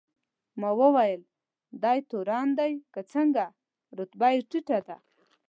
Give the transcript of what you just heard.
ما وویل: دی تورن دی که څنګه؟ رتبه یې ټیټه ده.